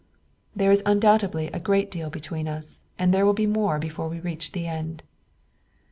"There is undoubtedly a great deal between us, and there will be more before we reach the end."